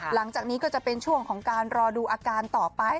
หลังจากนี้ก็จะเป็นช่วงของการรอดูอาการต่อไป